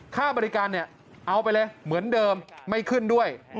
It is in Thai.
ค่าบริการเนี่ยเอาไปเลยเหมือนเดิมไม่ขึ้นด้วย